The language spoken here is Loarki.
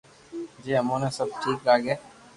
جي اموني سب ٺيڪ لاگي